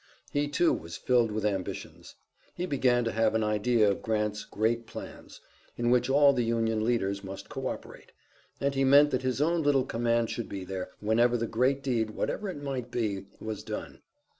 He, too, was filled with ambitions. He began to have an idea of Grant's great plans, in which all the Union leaders must cooperate, and he meant that his own little command should be there, whenever the great deed, whatever it might be, was done.